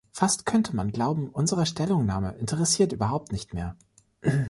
Fast könnte man glauben, unsere Stellungnahme interessiert überhaupt nicht mehr!